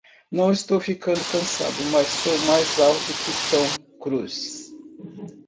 Não estou ficando cansado, mas sou mais alto que Tom Cruise!